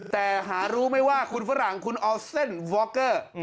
แต่หารู้ไหมว่าคุณฝรั่งคุณเอาเส้นวอคเกอร์